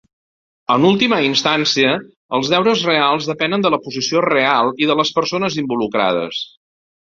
En última instància, els deures reals depenen de la posició real i de les persones involucrades.